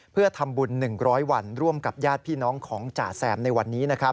เพื่อทำบุญหนึ่งร้อยวันร่วมกับญาติพี่น้องของจ๋าแซมในวันนี้